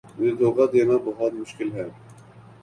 مجھے دھوکا دینا بہت مشکل ہے